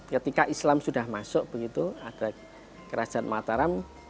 ketika islam sudah masuk begitu ada kerajaan mataram